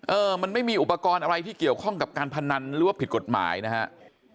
เออมันไม่มีอุปกรณ์อะไรที่เกี่ยวข้องกับการพนันหรือว่าผิดกฎหมายนะครับ